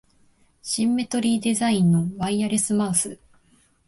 シンメトリーデザインのワイヤレスマウス